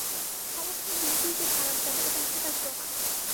সমস্ত দিনটিই যে খারাপ যাবে, এটা হচ্ছে তার প্রমাণ।